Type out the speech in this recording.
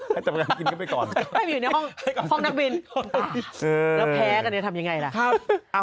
แล้วแพ้กะนี้ทำอย่างไรละ